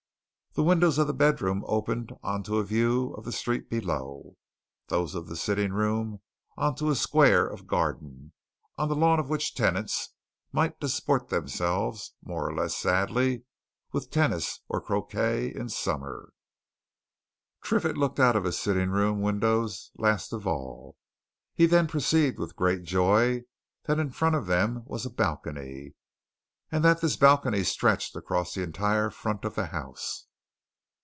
The windows of the bedroom opened on to a view of the street below; those of the sitting room on to a square of garden, on the lawn of which tenants might disport themselves, more or less sadly, with tennis or croquet in summer. Triffitt looked out of his sitting room windows last of all. He then perceived with great joy that in front of them was a balcony, and that this balcony stretched across the entire front of the house.